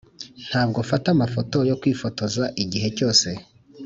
ntabwo mfata amafoto yo kwifotoza igihe cyose,